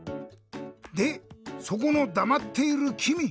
でそこのだまっているきみ！